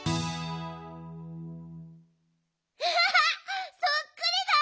アハハそっくりだ！